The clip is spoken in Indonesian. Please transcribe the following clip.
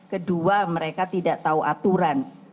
kedua mereka tidak tahu aturan